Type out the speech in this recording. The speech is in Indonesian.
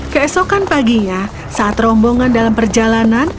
keesokan paginya saat rombongan dalam perjalanan